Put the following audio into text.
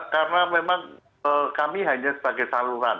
karena memang kami hanya sebagai saluran